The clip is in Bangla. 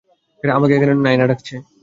আমাকে এখানে নায়না ডেকেছে।